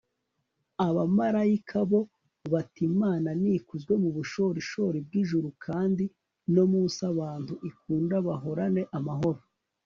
abamalayika bo batiimana nikuzwe mu bushorishori bw'ijuru kandi no mu nsi abantu ikunda bahorane amahoro